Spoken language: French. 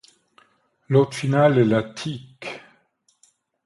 L'hôte final est la tique.